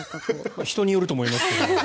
人によると思います。